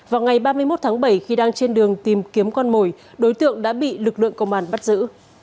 vào ngày ba mươi một tháng bảy khi đang trên đường tìm kiếm con mồi đối tượng đã bị lực lượng công an bắt giữ